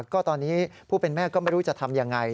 ก็ตอนนี้ผู้เป็นแม่ก็ไม่รู้จะทำยังไง